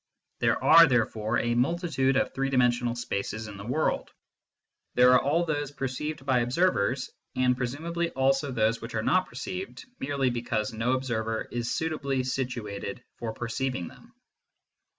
There are therefore a multi tude of three dimensional spaces in the world : there are all those perceived by observers, and presumably also those which are not perceived, merely because no observer is suitably situated for perceiving them.